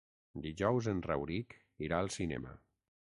Dijous en Rauric irà al cinema.